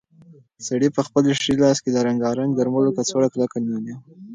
سړي په خپل ښي لاس کې د رنګارنګ درملو کڅوړه کلکه نیولې وه.